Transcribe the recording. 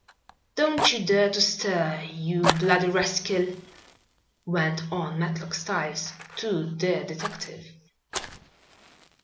"Don't you dare to stir, you bloody rascal!" went on Matlock Styles to the detective.